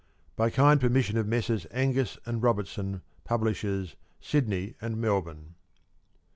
(_By kind permission of Messrs. Angus and Robertson, Publishers, Sydney and Melbourne.